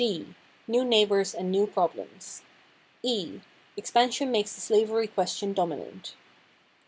D "New Neighbors and New Problems." E "Expansion Makes the Slavery Question Dominant."